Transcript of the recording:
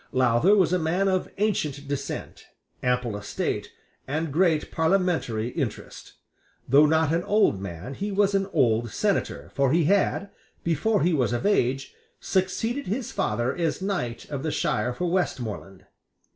Lowther was a man of ancient descent, ample estate, and great parliamentary interest. Though not an old man, he was an old senator: for he had, before he was of age, succeeded his father as knight of the shire for Westmoreland.